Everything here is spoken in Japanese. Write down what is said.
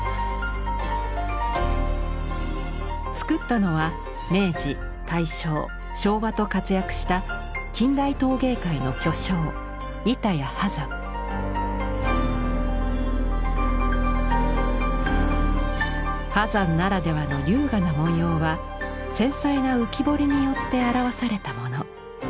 作ったのは明治大正昭和と活躍した近代陶芸界の巨匠波山ならではの優雅な文様は繊細な浮き彫りによって表されたもの。